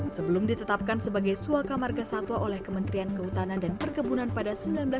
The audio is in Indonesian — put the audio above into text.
sebelum ditetapkan sebagai suaka margasatwa oleh kementerian keutanan dan perkebunan pada seribu sembilan ratus sembilan puluh sembilan